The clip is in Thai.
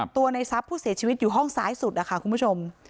ในทรัพย์ผู้เสียชีวิตอยู่ห้องซ้ายสุดนะคะคุณผู้ชม